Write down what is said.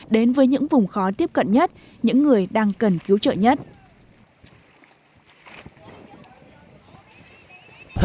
đến với những vùng khó tiếp cận nhất những người đang cần cứu trợ nhất